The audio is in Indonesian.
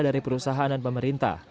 dari perusahaan dan pemerintah